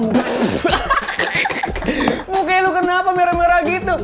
muka lo kenapa merah merah gitu